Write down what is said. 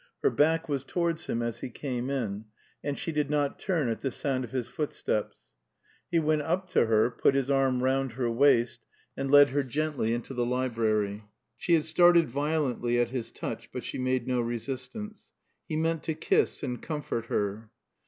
Her back was towards him as he came in, and she did not turn at the sound of his footsteps. He went up to her, put his arm round her waist and led her gently into the library. She had started violently at his touch, but she made no resistance. He meant to kiss and comfort her.